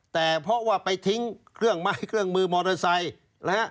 แต่เพราะว่าไปทิ้งเครื่องไม้เครื่องมือมอเตอร์ไซค์นะฮะ